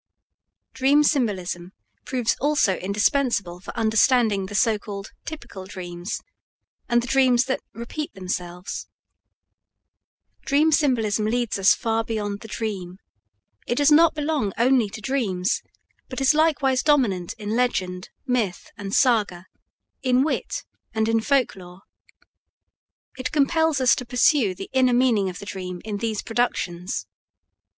Dream symbolism proves also indispensable for understanding the so called "typical" dreams and the dreams that "repeat themselves." Dream symbolism leads us far beyond the dream; it does not belong only to dreams, but is likewise dominant in legend, myth, and saga, in wit and in folklore. It compels us to pursue the inner meaning of the dream in these productions.